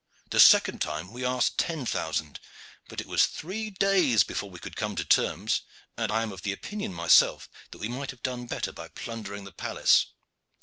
The second time we asked ten thousand, but it was three days before we could come to terms, and I am of opinion myself that we might have done better by plundering the palace.